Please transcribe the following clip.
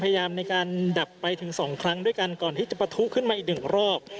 พยายามในการดับไปถึง๒ครั้งด้วยกันก่อนที่จะประทุขึ้นมาอีกหนึ่งรอบ